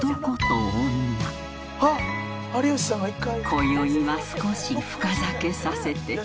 こよいは少し深酒させて